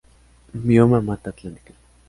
Bioma: Mata Atlántica.